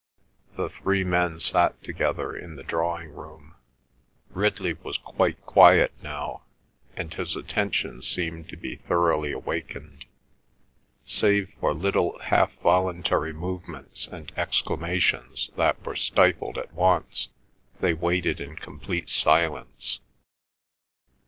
The three men sat together in the drawing room. Ridley was quite quiet now, and his attention seemed to be thoroughly awakened. Save for little half voluntary movements and exclamations that were stifled at once, they waited in complete silence.